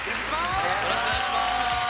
よろしくお願いします。